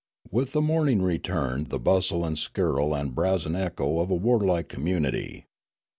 With the morn ing returned the bustle and skirl and brazen echo of a warlike community.